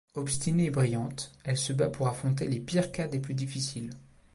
Obstinée et brillante, elle se bat pour affronter les pires cas des plus difficiles.